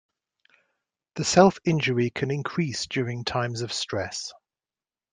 The self-injury can increase during times of stress.